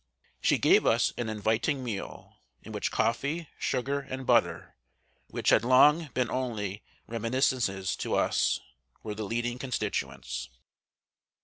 She gave us an inviting meal, in which coffee, sugar, and butter, which had long been only reminiscences to us, were the leading constituents.